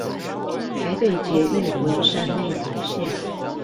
台北捷運文山內湖線